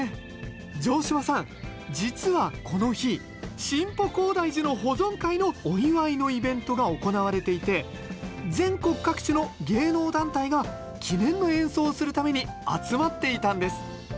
城島さん実はこの日「新保広大寺」の保存会のお祝いのイベントが行われていて全国各地の芸能団体が記念の演奏をするために集まっていたんです。